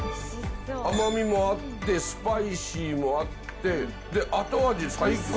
甘みもあって、スパイシーもあって、で、後味最高。